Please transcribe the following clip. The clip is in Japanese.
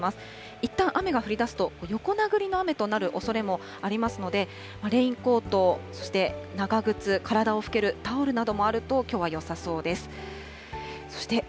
いったん雨が降りだすと、横殴りの雨となるおそれもありますので、レインコート、そして長靴、体を拭けるタオルなどもあるときょうはよさそうです。